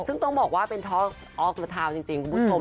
ซึ่งต้องบอกว่าเป็นท็อกออกเตอร์ทาวน์จริงคุณผู้ชม